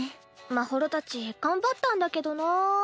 まほろたち頑張ったんだけどなぁ。